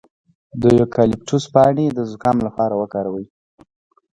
د یوکالیپټوس پاڼې د زکام لپاره وکاروئ